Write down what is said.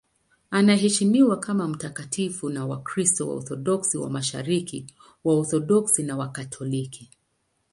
Anaheshimiwa kama mtakatifu na Wakristo Waorthodoksi wa Mashariki, Waorthodoksi na Wakatoliki.